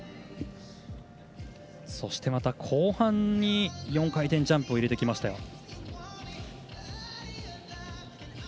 そして、後半に４回転ジャンプを入れてきました。